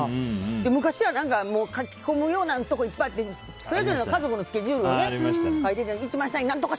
昔は書き込むようなとこいっぱいあってそれぞれ家族のスケジュールを書いてたよね。